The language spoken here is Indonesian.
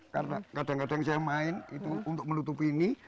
karena kadang kadang saya main untuk melutupi ini